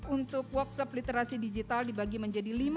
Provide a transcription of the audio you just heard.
untuk workshop literasi digital dibagi menjadi lima